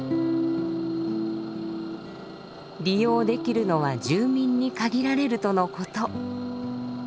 利用できるのは住民に限られるとのこと。